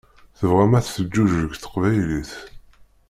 Tebɣam ad teǧǧuǧeg teqbaylit.